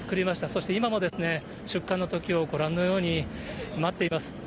そして今も出棺のときをご覧のように待っています。